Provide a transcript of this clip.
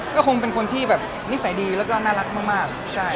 ก็คงเป็นคนที่แบบนิสัยดีแล้วก็น่ารักมาก